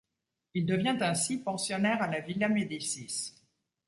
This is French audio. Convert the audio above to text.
Il devient ainsi pensionnaire à la Villa Médicis.